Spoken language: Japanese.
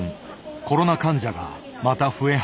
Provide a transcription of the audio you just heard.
コロナ患者がまた増え始めていた。